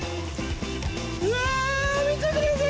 うわ見てください。